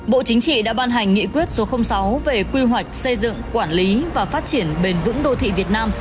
bộ chính trị đã ban hành nghị quyết số sáu về quy hoạch xây dựng quản lý và phát triển bền vững đô thị việt nam